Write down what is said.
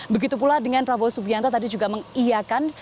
begitu pula dengan prabowo subianto tadi juga mengiakan